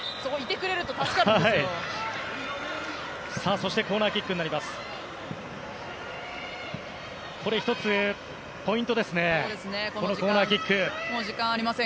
そしてコーナーキックになります。